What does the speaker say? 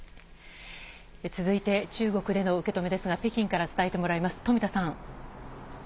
続いて、中国での受け止めですが、北京から伝えてもらいます。